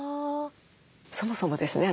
そもそもですね